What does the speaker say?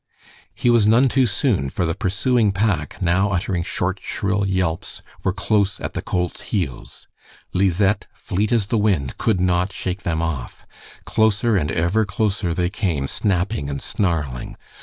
He was none too soon, for the pursuing pack, now uttering short, shrill yelps, were close at the colt's heels. Lizette, fleet as the wind, could not shake them off. Closer and ever closer they came, snapping and snarling.